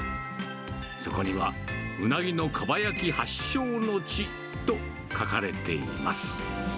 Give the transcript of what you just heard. そこには、ウナギのかば焼き発祥の地と書かれています。